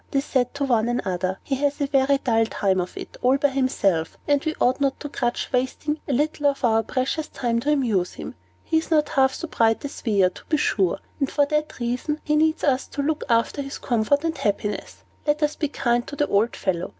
they said one to another. "He has a very dull time of it, all by himself; and we ought not to grudge wasting a little of our precious time to amuse him. He is not half so bright as we are, to be sure; and, for that reason, he needs us to look after his comfort and happiness. Let us be kind to the old fellow.